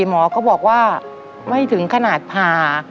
หมอก็บอกว่าไม่ถึงขนาดผ่า